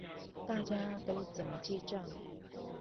大家都怎麼記帳